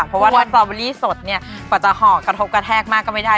เพราะว่าสตรอเบอร์รี่สดประจารหกกระทบกระแทกมากก็ไม่ได้